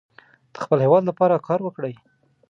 د خپل هیواد لپاره کار وکړو.